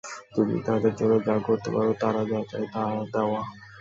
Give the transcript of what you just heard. তুমি তাদের জন্য যা করতে পারো, তারা যা চায় তা দেওয়া।